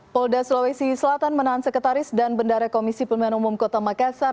polda sulawesi selatan menahan sekretaris dan bendara komisi pemilihan umum kota makassar